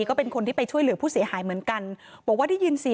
อันนี้ผู้หญิงบอกว่าช่วยด้วยหนูไม่ได้เป็นอะไรกันเขาจะปั้มหนูอะไรอย่างนี้